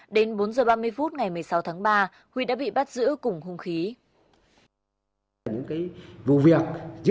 đến bốn h ba mươi phút ngày một mươi sáu tháng ba huy đã bị bắt giữ cùng hung khí